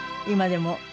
今でも。